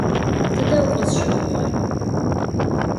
Tıde vukhızşıxhuğer?